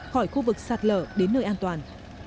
khỏi khu vực sạt lở đến nơi an toàn